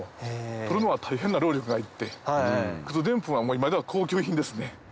取るのは大変な労力がいってクズデンプンは今では高級品ですね。